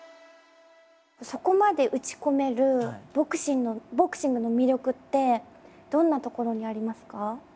そこまで打ち込めるボクシングの魅力ってどんなところにありますか？